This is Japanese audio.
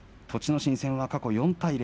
心戦は過去４対０。